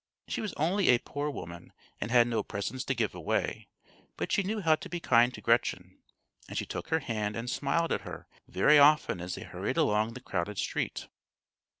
She was only a poor woman, and had no presents to give away; but she knew how to be kind to Gretchen, and she took her hand and smiled at her very often as they hurried along the crowded street.